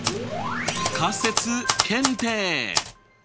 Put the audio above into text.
仮説検定？